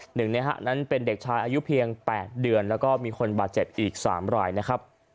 หนึ่งนั้นเป็นเด็กชายอายุเพียง๘เดือนและมีคนบาดเจ็บอีก๓๐๐